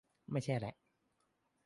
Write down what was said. ไม่ใช่แระ